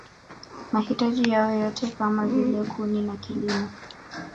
Mahitaji yao yote kama vile kuni na kilimo